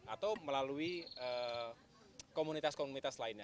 atau melalui komunitas komunitas lainnya